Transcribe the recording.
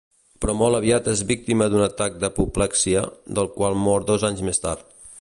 Però molt aviat és víctima d'un atac d'apoplexia, del qual mort dos anys més tard.